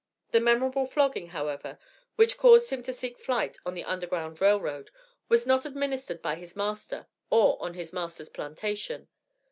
The memorable flogging, however, which caused him to seek flight on the Underground Rail Road, was not administered by his master or on his master's plantation.